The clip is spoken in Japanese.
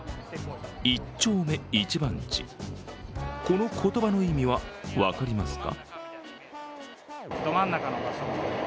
一丁目一番地、この言葉の意味は分かりますか？